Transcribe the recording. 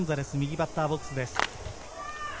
右バッターボックスです。